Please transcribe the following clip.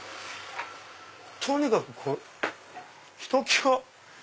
とにかくひときわ。